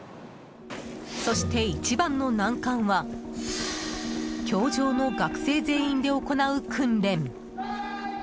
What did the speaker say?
そして一番の難関は教場の学生全員で行う訓練。